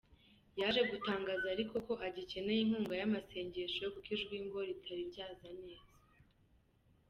Yaje gutangaza ariko ko agikeneye inkunga y’amasengesho kuko ijwi ngo ritari ryaza neza.